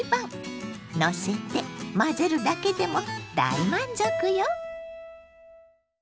のせて混ぜるだけでも大満足よ！